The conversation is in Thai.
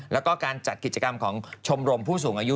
แล้วก็การจัดกิจกรรมของชมรมผู้สูงอายุ